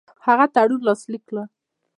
هغه تړون لاسلیک کړ.